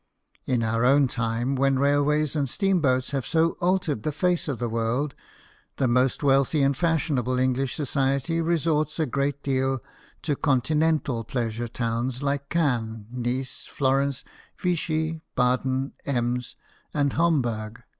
In our own time, when railways and steamboats have so altered the face of the world, the most wealthy and fashion able English society resorts a great deal to continental pleasure towns like Cannes, Nice, Florence, Vichy, Baden, Ems, and Homburg ; 96 BIOGRAPHIES OF WORKING MEN.